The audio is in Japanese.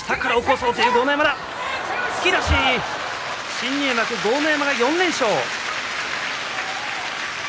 新入幕、豪ノ山が４連勝。